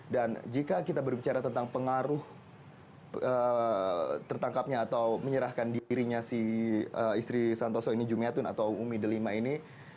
jika kita berbicara tentang pengaruh tertangkapnya atau menyerahkan dirinya si istri santoso ini jumiatun atau umi delima ini